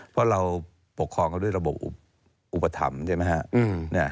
เพราะเราปกครองด้วยระบบอุปถรรมใช่ไหมฮะ